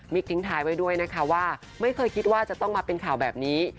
ทิ้งท้ายไว้ด้วยนะคะว่าไม่เคยคิดว่าจะต้องมาเป็นข่าวแบบนี้